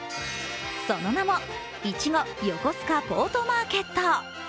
その名もいちごよこすかポートマーケット